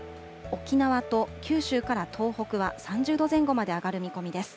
沖縄と九州から東北は３０度前後まで上がる見込みです。